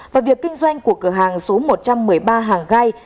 và việc kinh doanh của cửa hàng số một trăm một mươi ba hàng gai